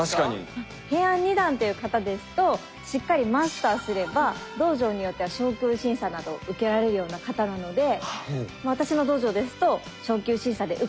平安二段っていう形ですとしっかりマスターすれば道場によっては昇級審査などを受けられるような形なので私の道場ですと昇級審査で受かれば黄色帯とか。